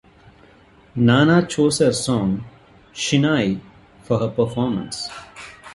Nana chose her song "Shin'ai" for her performance.